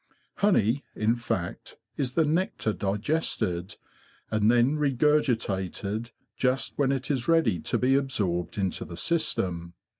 Honey, in fact, is the nectar digested, and then regurgitated just when it is ready to be absorbed into the system.